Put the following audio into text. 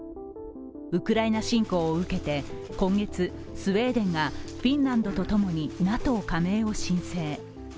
ウクライナ侵攻を受けて今月、スウェーデンがフィンランドと共にＮＡＴＯ加盟を申請。